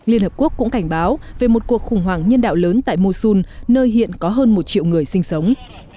liên hợp quốc cũng cảnh báo về một cuộc khủng hoảng nhân đạo lớn tại mosun nơi hiện có hơn một triệu người sinh sống